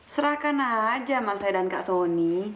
serahkan saja mas saya dan kak sony